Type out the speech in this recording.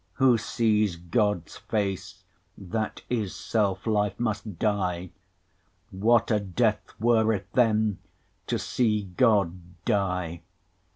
Who sees Gods face, that is selfe life, must dye; What a death were it then to see God dye?